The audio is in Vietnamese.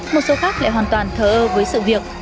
một số khác lại hoàn toàn thờ ơ với sự việc